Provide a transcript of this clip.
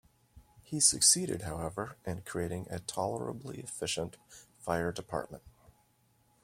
He succeeded, however, in creating a tolerably efficient fire department.